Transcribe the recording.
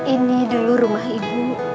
ini dulu rumah ibu